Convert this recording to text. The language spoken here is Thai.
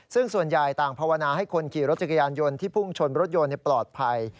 ซึ่งส่วนใหญ่ต่างภาวนาให้คนขี่รถจักรยานยนต์ที่พุ่งชนรถยนต์ปลอดภัย